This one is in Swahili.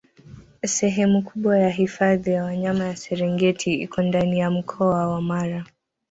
Sehemu kubwa ya hifadhi ya Wanyama ya Serengeti iko ndani ya mkoa wa Mara